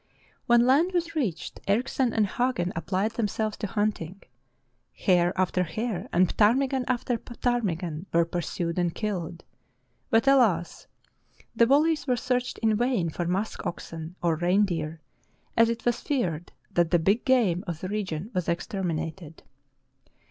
When land was reached Erichsen and Hagen applied themselves to hunting. Hare after hare and ptarmi gan after ptarmigan were pursued and killed. But alas! the valleys were searched in vain for musk oxen or reindeer, and it was feared that the big game of the region was exterminated.